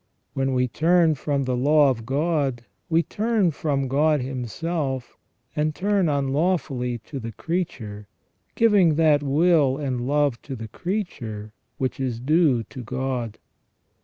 When we turn from the law of God, we turn from God Himself and turn unlawfully to the creature, giving that will and love to the creature which is due to God.